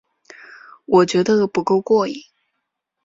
我觉得不够过瘾